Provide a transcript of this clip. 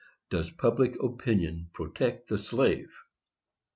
DOES PUBLIC OPINION PROTECT THE SLAVE?